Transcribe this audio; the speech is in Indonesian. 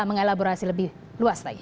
mengelaborasi lebih luas lagi